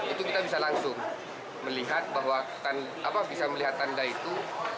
itu kita bisa langsung melihat tanda itu